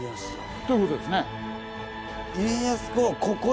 ということですね。